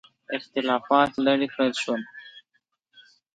اختلافات لیرې کړل شول.